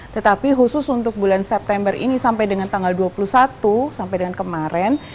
tetapi khusus untuk bulan september ini sampai dengan tanggal dua puluh satu sampai dengan kemarin